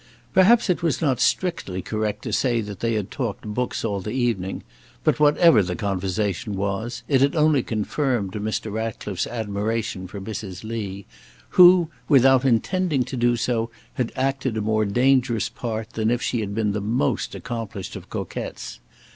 Perhaps it was not strictly correct to say that they had talked books all the evening, but whatever the conversation was, it had only confirmed Mr. Ratcliffe's admiration for Mrs. Lee, who, without intending to do so, had acted a more dangerous part than if she had been the most accomplished of coquettes.